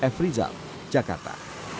f rizal jakarta